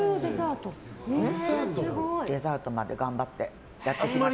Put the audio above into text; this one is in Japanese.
デザートまで頑張ってやってました。